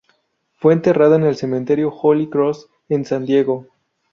Fue enterrada en el Cementerio Holy Cross, en San Diego.